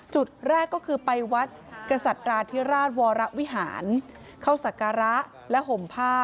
จุดแรกก็คือไปวัดกษัตราธิราชวรวิหารเข้าศักระและห่มผ้า